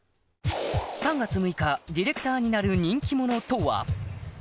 ３月６日ディレクターになる人気者とは？